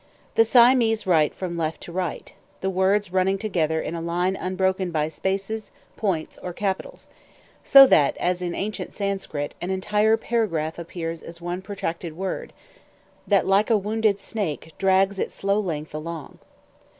] The Siamese write from left to right, the words running together in a line unbroken by spaces, points, or capitals; so that, as in ancient Sanskrit, an entire paragraph appears as one protracted word, "That, like a wounded snake, drags its slow length along."